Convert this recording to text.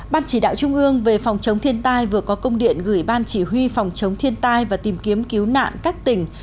ban chỉ đạo trung ương về phòng chống thiên tai vừa có công điện gửi ban chỉ huy phòng chống thiên tai và tìm kiếm cứu nạn các tỉnh